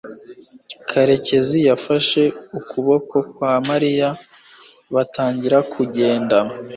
karekezi yafashe ukuboko kwa mariya batangira kugenda